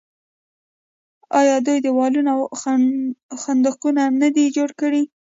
آیا دوی دیوالونه او خندقونه نه دي جوړ کړي؟